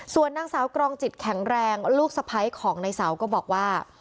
ส่วนนางสาวกรองจิตแข็งแรงลูกสะพ้ายของในเสาก็บอกว่า